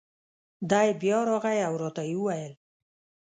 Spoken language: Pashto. دی بیا راغی او را ته یې وویل: